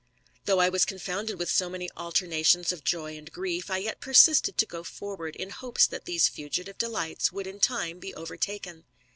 Though I was confounded with so many alternations of joy and grief, I yet persisted to go forward, in hopes that these fugitive delights would in time he overtaken.